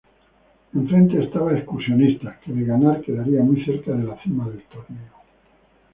Enfrente estaba Excursionistas, que de ganar, quedaría muy cerca de la cima del torneo.